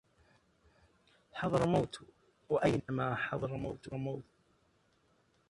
حضرموت وأينما حضرموت